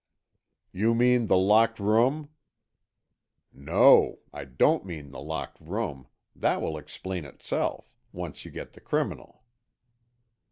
"You mean the locked room——" "No, I don't mean the locked room. That will explain itself, once you get the criminal."